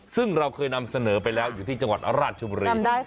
ซึ่งเราเคยนำเสนอไปแล้วอยู่ที่จังหวัดราชบุรี